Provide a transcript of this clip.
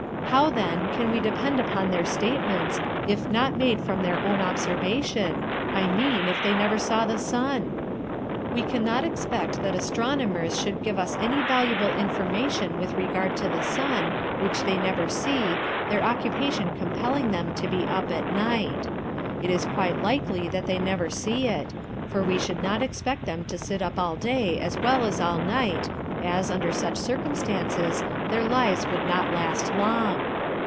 How, then, can we depend upon their statements, if not made from their own observation, I mean, if they never saw the sun? We can not expect that astronomers should give us any valuable information with regard to the sun, which they never see, their occupation compelling them to be up at night. It is quite likely that they never see it; for we should not expect them to sit up all day as well as all night, as, under such circumstances, their lives would not last long.